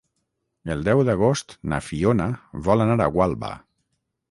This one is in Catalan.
El deu d'agost na Fiona vol anar a Gualba.